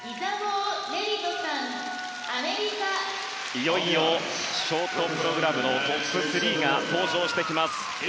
いよいよショートプログラムのトップ３が登場してきます。